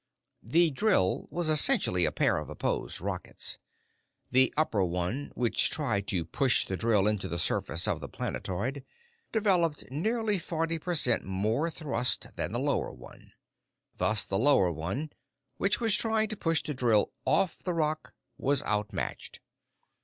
The drill was essentially a pair of opposed rockets. The upper one, which tried to push the drill into the surface of the planetoid, developed nearly forty per cent more thrust than the lower one. Thus, the lower one, which was trying to push the drill off the rock, was outmatched.